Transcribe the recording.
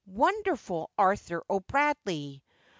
wonderful Arthur O'Bradley!